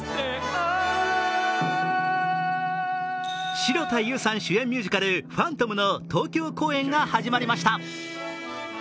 城田優さん主演ミュージカル「ファントム」の東京公演が始まりました。